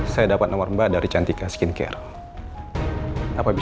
saya dapat nomor mbak dari cantika skincare